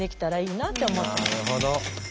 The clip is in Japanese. なるほど。